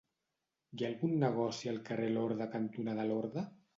Hi ha algun negoci al carrer Lorda cantonada Lorda?